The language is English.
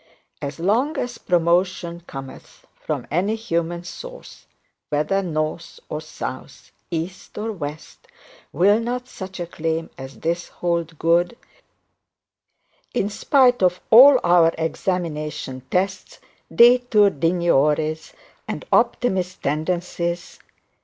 As long as promotion cometh from any human source, whether north or south, east or west, will not such a claim as this hold good, in spite of all our examination tests, detur digniori's and optimist tendencies?